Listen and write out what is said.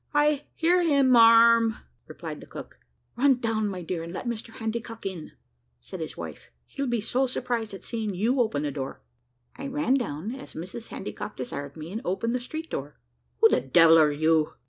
"I hear him, marm," replied the cook. "Run down, my dear, and let Mr Handycock in," said his wife. "He'll be so surprised at seeing you open the door." I ran down as Mrs Handycock desired me, and opened the street door. "Who the devil are you?"